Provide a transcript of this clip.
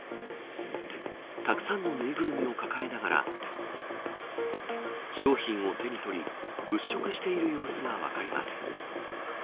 たくさんの縫いぐるみを抱えながら、商品を手に取り、物色している様子が分かります。